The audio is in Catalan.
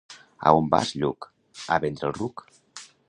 —A on vas Lluc? —A vendre el ruc.